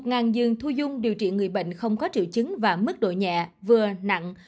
ngàn giường thu dung điều trị người bệnh không có triệu chứng và mức độ nhẹ vừa nặng